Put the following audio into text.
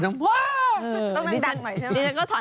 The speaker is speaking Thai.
ต้องดังหน่อยใช่ไหม